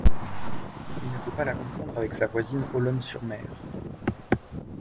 Il ne faut pas la confondre avec sa voisine Olonne-sur-Mer.